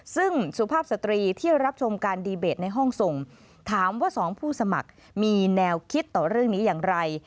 ซึ่งสุภาพสตรีที่รับชมการดีเบตในห้องส่งถามว่าสองผู้สมัครมีแนวคิดต่อเรื่องนี้อย่างไร